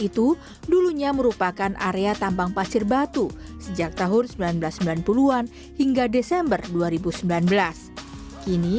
itu dulunya merupakan area tambang pasir batu sejak tahun seribu sembilan ratus sembilan puluh an hingga desember dua ribu sembilan belas kini